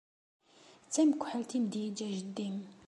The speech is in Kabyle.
D tamekḥelt i m-d-yeǧǧa jeddi-m?